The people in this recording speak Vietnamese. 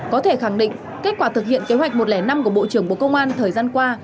có thể khẳng định kết quả thực hiện kế hoạch một trăm linh năm của bộ trưởng bộ công an thời gian qua